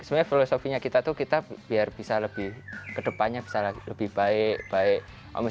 sebenarnya filosofinya kita tuh kita biar bisa lebih kedepannya bisa lebih baik